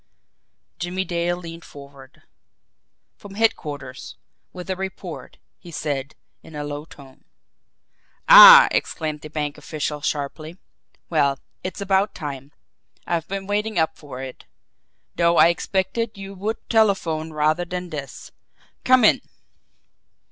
Jimmie Dale leaned forward. "From headquarters with a report," he said, in a low tone. "Ah!" exclaimed the bank official sharply. "Well, it's about time! I've been waiting up for it though I expected you would telephone rather than this. Come in!"